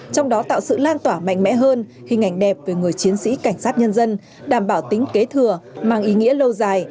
trong đó tạo sự lan tỏa mạnh mẽ hơn hình ảnh đẹp về người chiến sĩ cảnh sát nhân dân đảm bảo tính kế thừa mang ý nghĩa lâu dài